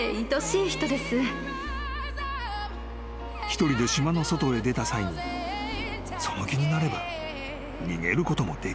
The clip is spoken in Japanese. ［一人で島の外へ出た際にその気になれば逃げることもできた］